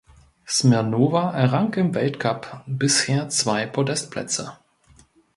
Smirnowa errang im Weltcup bisher zwei Podestplätze.